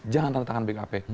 jangan tanda tangan bkp